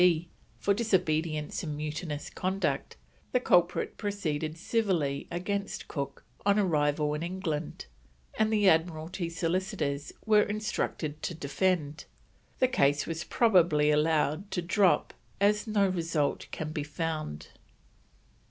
B., for disobedience and mutinous conduct, the culprit proceeded civilly against Cook, on arrival in England, and the Admiralty solicitors were instructed to defend. The case was probably allowed to drop, as no result can be found.